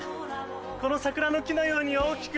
この桜の木のように大きく。